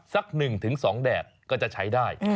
สักหนึ่งถึงสองแดดก็จะใช้ได้